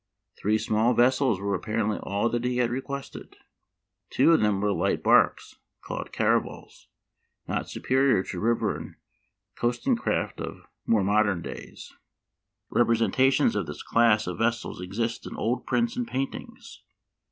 Three small vessels were apparently all that he had requested. Two of them were light barks, called caravels, not superior to river and coasting craft of more modern days. Representations of this class of vessels exist in old prints and paintings.